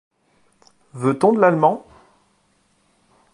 Veut-on de l’allemand ?